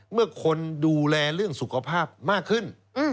เมื่อคนดูแลเรื่องสุขภาพมากขึ้น